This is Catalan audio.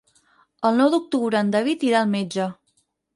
El nou d'octubre en David irà al metge.